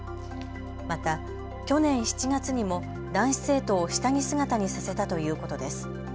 また、去年７月にも男子生徒を下着姿にさせたということです。